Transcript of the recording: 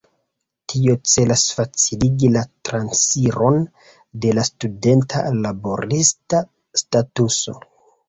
Tio celas faciligi la transiron de la studenta al la laborista statuso.